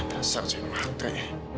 dasar cewek matre